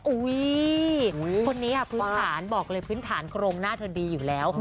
อุ้ยคนนี้พื้นฐานบอกเลยพื้นฐานโครงหน้าเธอดีอยู่แล้ว